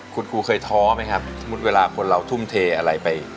คุณครูเคยท้อไหมครับสมมุติเวลาคนเราทุ่มเทอะไรไป